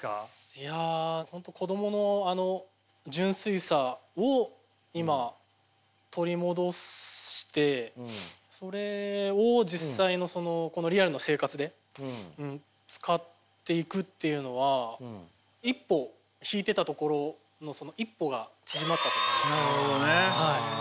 いや本当に子供の純粋さを今取り戻してそれを実際のリアルの生活で使っていくっていうのは一歩引いてたところのその一歩が縮まったと思いますね。